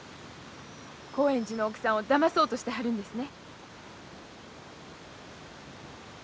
興園寺の奥さんをだまそうとしてはるんですね？